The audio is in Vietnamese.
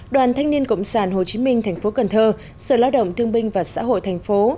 đoàn thanh niên cộng sản hồ chí minh thành phố cần thơ sở lao động thương binh và xã hội thành phố